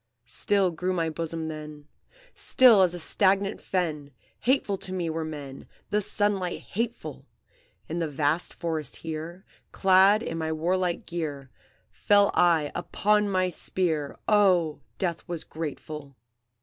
"Still grew my bosom then, Still as a stagnant fen! Hateful to me were men, The sunlight hateful! In the vast forest here, Clad in my warlike gear, Fell I upon my spear, Oh, death was grateful!